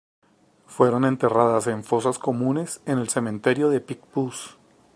Fueron enterradas en fosas comunes en el cementerio de Picpus.